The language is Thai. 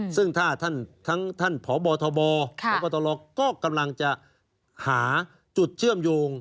ซึ่งท่าท่านทั้งท่านพบทบและพลก็กำลังจะหาจุดเชื่อมโยง